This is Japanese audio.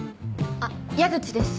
あっ矢口です。